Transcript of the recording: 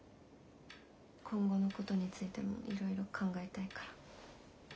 今後のことについてもいろいろ考えたいから。